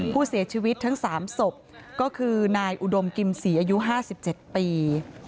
ผู้เสียชีวิตทั้ง๓ศพก็คือนายอุดมกิมศรีอายุ๕๗ปี